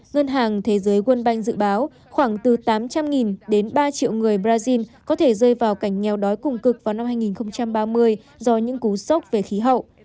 ngân hàng thế giới world bank dự báo khoảng từ tám trăm linh đến ba triệu người brazil có thể rơi vào cảnh nghèo đói cùng cực vào năm hai nghìn ba mươi do những cú sốc về khí hậu